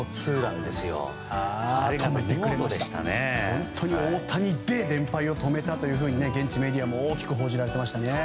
本当に大谷で連敗を止めたというふうに現地メディアも大きく報じられていましたね。